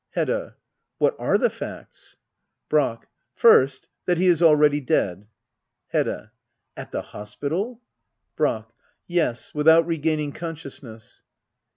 Hedda. What are the facts ? Brack. First, that he is already dead. Hedda. At the hospital ? Brack. Yes — without regaining consciousness.